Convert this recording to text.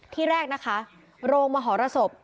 ที่แรกนะคะโรงมหรสบ